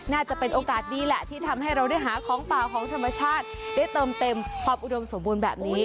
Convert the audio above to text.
น่าจะเป็นโอกาสดีแหละที่ทำให้เราได้หาของป่าของธรรมชาติได้เติมเต็มความอุดมสมบูรณ์แบบนี้